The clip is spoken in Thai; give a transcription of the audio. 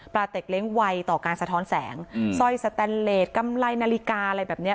เต็กเล้งไวต่อการสะท้อนแสงสร้อยสแตนเลสกำไรนาฬิกาอะไรแบบเนี้ย